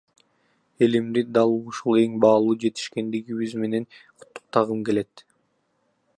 Элимди дал ушул эң баалуу жетишкендигибиз менен куттуктагым келет!